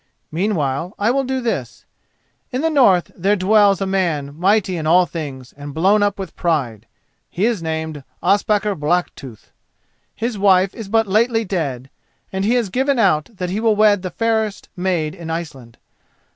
Meanwhile, I will do this: In the north there dwells a man mighty in all things and blown up with pride. He is named Ospakar Blacktooth. His wife is but lately dead, and he has given out that he will wed the fairest maid in Iceland.